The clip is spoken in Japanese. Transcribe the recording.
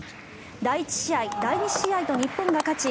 第１試合、第２試合と日本が勝ち